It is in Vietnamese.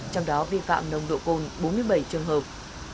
trong đó vi phạm nồng độ cồn bốn mươi bảy trường hợp